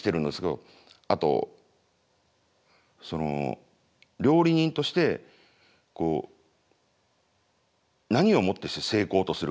あと料理人としてこう何をもってして成功とするか。